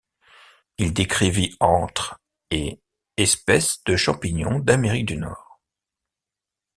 Il décrivit entre et espèces de champignons d’Amérique du Nord.